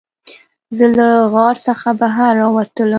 زه له غار څخه بهر راووتلم.